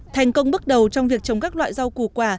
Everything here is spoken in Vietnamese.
thành công bước đầu trong việc trồng các loại rau củ quả